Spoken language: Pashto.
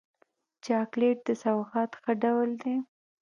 چاکلېټ د سوغات ښه ډول دی.